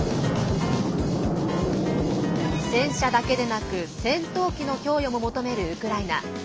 戦車だけでなく戦闘機の供与も求めるウクライナ。